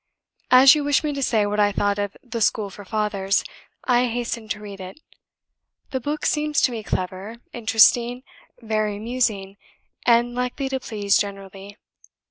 "As you wished me to say what I thought of 'The School for Fathers,' I hastened to read it. The book seems to me clever, interesting, very amusing, and likely to please generally.